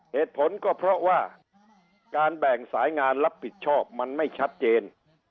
เหตุผลก็เพราะว่าการแบ่งสายงานรับผิดชอบมันไม่ชัดเจน